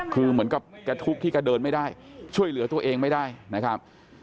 คือเหมือนกับแกทุกข์ที่แกเดินไม่ได้ช่วยเหลือตัวเองไม่ได้นะครับ